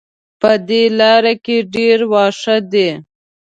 په دې لاره کې ډېر واښه دي